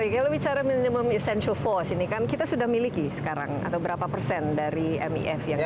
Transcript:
kalau bicara minimum essential force ini kan kita sudah miliki sekarang atau berapa persen dari mif yang